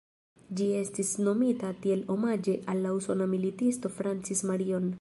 Ĝi estis nomita tiel omaĝe al la usona militisto Francis Marion.